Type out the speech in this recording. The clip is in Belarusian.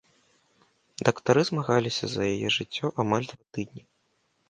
Дактары змагаліся за яе жыццё амаль два тыдні.